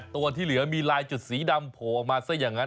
ตัวที่เหลือมีลายจุดสีดำโผล่ออกมาซะอย่างนั้น